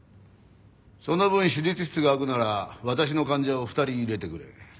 その分手術室が空くなら私の患者を２人入れてくれ。